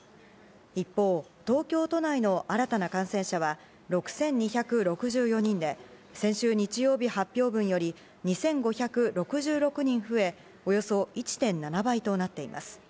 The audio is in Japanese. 一方、東京都内の新たな感染者は６２６４人で、先週日曜日発表分より２５６６人増え、およそ１．７倍となっています。